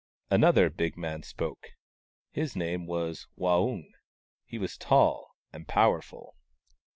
Another big man spoke. His name was Waung, and he was tall and powerful.